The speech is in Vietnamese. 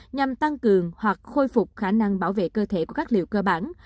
nhằm tăng cường hoặc khôi phục khả năng bảo vệ cơ thể của các liệu cơ bản